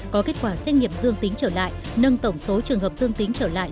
có kết quả xét nghiệm dương tính trở lại nâng tổng số trường hợp dương tính trở lại